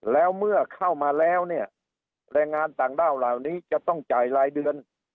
แล้วเมื่อเข้ามาแล้วเนี่ยแรงงานต่างด้าวเหล่านี้จะต้องจ่ายรายเดือน